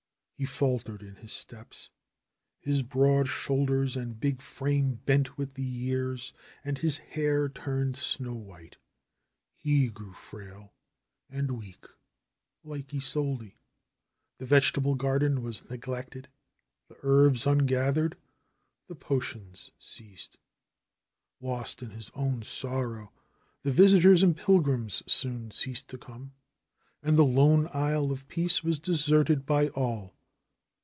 He fal tered in his steps. His broad shoulders and big frame bent with the years and his hair turned snow white. He grew frail and weak like Isolde. The vegetable garden was neglected, the herbs ungathered, the potions ceased. Lost in his own sorrow, the visitors and pilgrims soon ceased to come. And the lone Isle of Peace was deserted by all.